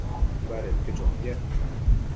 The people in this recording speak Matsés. Badedi chotiad